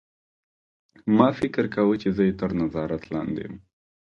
ما فکر کاوه چې زه یې تر نظارت لاندې یم